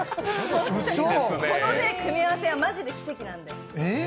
この組み合わせはマジで奇跡なので。